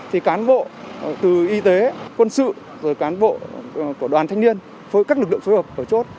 thì cán bộ từ y tế quân sự rồi cán bộ của đoàn thanh niên phối các lực lượng phối hợp ở chốt